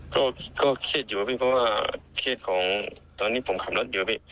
ก็เครียดอยู่เพราะว่าเครียดของตอนนี้ผมขับรถอยู่